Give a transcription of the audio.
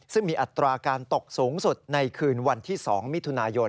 ซึ่งมีอัตราการตกสูงสุดในคืนวันที่๒มิถุนายน